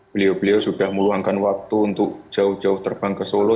beliau beliau sudah meluangkan waktu untuk jauh jauh terbang ke solo